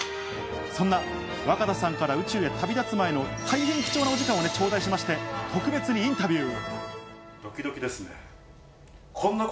そんな若田さんから宇宙へ旅立つ前の大変貴重なお時間を頂戴しまして、特別にインタビュー。